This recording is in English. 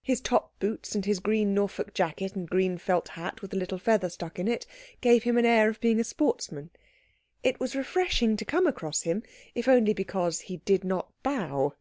His top boots and his green Norfolk jacket and green felt hat with a little feather stuck in it gave him an air of being a sportsman. It was refreshing to come across him, if only because he did not bow.